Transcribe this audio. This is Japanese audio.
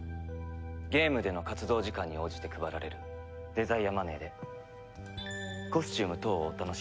ゲームでの活動時間に応じて配られるデザイアマネーでコスチューム等をお楽しみいただけます。